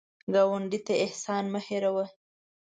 ګاونډي ته احسان مه هېر وهه